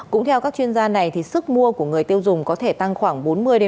cũng theo các chuyên gia này sức mua của người tiêu dùng có thể tăng khoảng bốn mươi bốn mươi năm